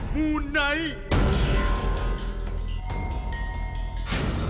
มูไนท์